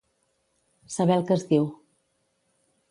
Saber el que es diu.